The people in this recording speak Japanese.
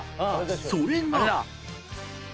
［それが］